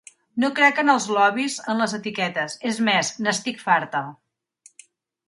No crec en els 'lobbys', en les etiquetes; és més, n'estic farta.